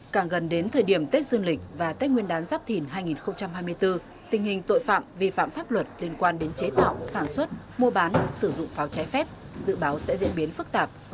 càng gần đến thời điểm tết dương lịch và tết nguyên đán giáp thìn hai nghìn hai mươi bốn tình hình tội phạm vi phạm pháp luật liên quan đến chế tạo sản xuất mua bán sử dụng pháo trái phép dự báo sẽ diễn biến phức tạp